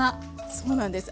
そうなんです